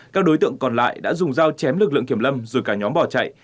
các đối tượng còn lại đã dùng dao chém lực lượng kiểm lâm rồi cả nhóm bỏ chạy